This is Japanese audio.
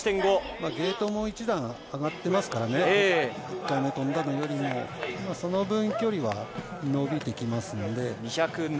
ゲートも１段上がってますからね、１回目飛んだのよりも、その分、距離は伸びてきますので。